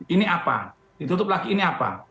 ini apa ditutup lagi ini apa